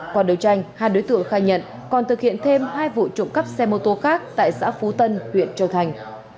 qua đấu tranh hai đối tượng khai nhận còn thực hiện thêm hai vụ trộm cắp xe mô tô khác tại xã phú tân huyện châu thành